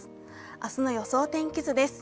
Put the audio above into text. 明日の予想天気図です。